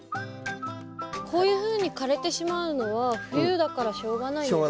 こういうふうに枯れてしまうのは冬だからしょうがないんですか？